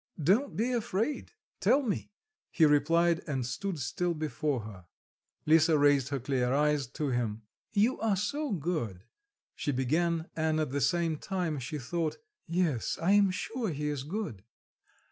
"Don't be afraid; tell me," he replied, and stood still before her. Lisa raised her clear eyes to him. "You are so good," she began, and at the same time, she thought: "Yes, I am sure he is good"...